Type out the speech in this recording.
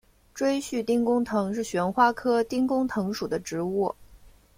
锥序丁公藤是旋花科丁公藤属的植物。